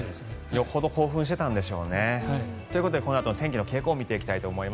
よほど興奮してたんでしょうね。ということで、このあとの天気の傾向を見ていきましょう。